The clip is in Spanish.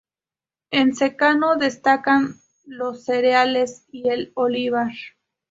En secano destacan los cereales y el olivar.